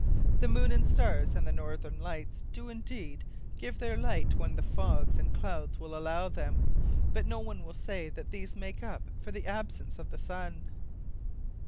The moon and stars and the "Northern Lights" do, indeed, give their light when the fogs and clouds will allow them; but no one will say that these make up for the absence of the sun.